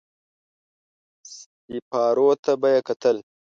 سېپارو ته به يې کتل.